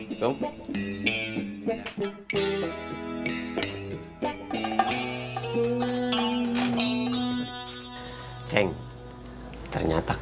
iksir toh dingin pas ada hebatnya curjo aja